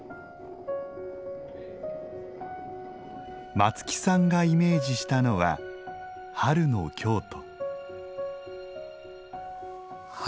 松木さんがイメージしたのは「春の京都」。